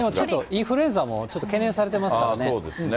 インフルエンザも、ちょっと懸念されてますからね。